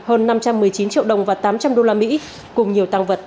hơn năm trăm một mươi chín triệu đồng và tám trăm linh đô la mỹ